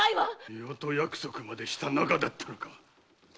夫婦約束までした仲だったのか。